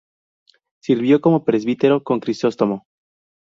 Sirvió como presbítero con Crisóstomo.